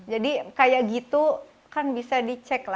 jadi kayak gitu kan bisa dicek